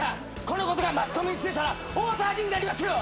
このことがマスコミに知れたら大騒ぎになりますよ。